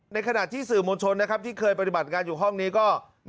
ในขณะที่สื่อมวลชนที่เคยปฏิบัติงานอยู่ห้องนี้ก็